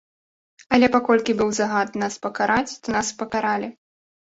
Але паколькі быў загад нас пакараць, то нас пакаралі.